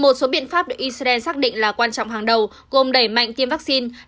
một số biện pháp được israel xác định là quan trọng hàng đầu gồm đẩy mạnh tiêm vaccine